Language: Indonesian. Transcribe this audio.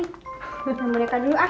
lihatlah boneka dulu ah